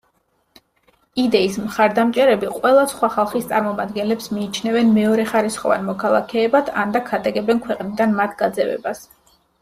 იდეის მხარდამჭერები ყველა სხვა ხალხის წარმომადგენლებს მიიჩნევენ მეორეხარისხოვან მოქალაქეებად ანდა ქადაგებენ ქვეყნიდან მათ გაძევებას.